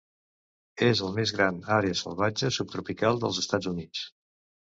És el més gran àrea salvatge subtropical dels Estats Units.